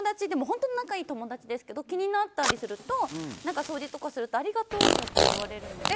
本当に仲がいい友達ですけど気になったりすると掃除とかするとありがとうって言われるので。